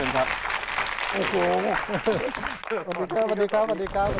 สวัสดีครับ